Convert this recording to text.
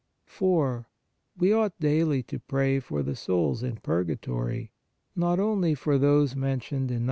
4. We ought daily to pray for the souls in purga tory, not only for those mentioned in No.